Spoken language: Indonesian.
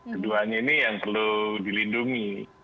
keduanya ini yang perlu dilindungi